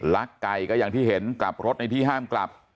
ลักไก่ก็อย่างที่เห็นกลับรถในที่ห้ามกลับ